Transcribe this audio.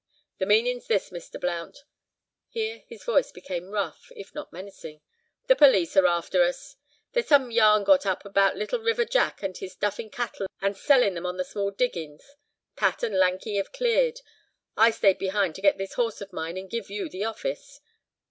"The meaning's this, Mr. Blount." Here his voice became rough, if not menacing. "The police are after us. There's some yarn got up about Little River Jack and us duffing cattle and selling them on the small diggings. Pat and Lanky have cleared. I stayed behind to get this horse of mine and give you the office.